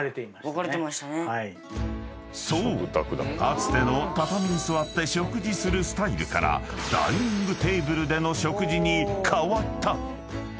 かつての畳に座って食事するスタイルからダイニングテーブルでの食事に変わった］